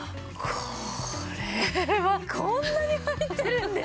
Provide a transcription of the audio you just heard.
これはこんなに入ってるんですか！